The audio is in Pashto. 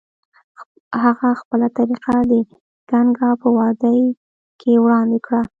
هغه خپله طریقه د ګنګا په وادۍ کې وړاندې کړه.